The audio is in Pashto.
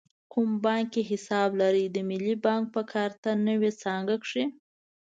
کوم بانک کې حساب لرئ؟ د ملی بانک په کارته نو څانګه کښی